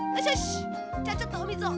じゃあちょっとおみずを。